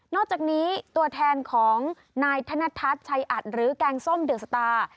อกจากนี้ตัวแทนของนายธนทัศน์ชัยอัดหรือแกงส้มเดอะสตาร์